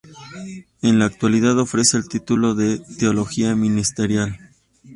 En la actualidad ofrece el titulo de "Teología Ministerial".